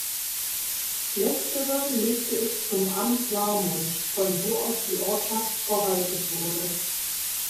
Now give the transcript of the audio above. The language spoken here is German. Letzterer legte es zum Amt Saarmund, von wo aus die Ortschaft verwaltet wurde.